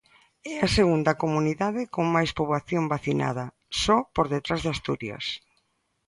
É a segunda comunidade con máis poboación vacinada, só por detrás de Asturias.